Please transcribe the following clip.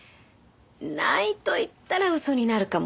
ないと言ったら嘘になるかも。